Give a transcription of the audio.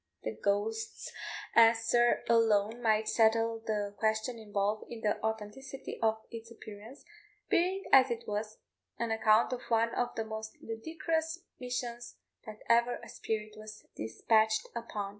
The ghost's answer alone might settle the question involved in the authenticity of its appearance, being, as it was, an account of one of the most ludicrous missions that ever a spirit was despatched upon.